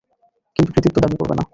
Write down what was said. কিন্তু কৃতিত্ব দাবি করবে না।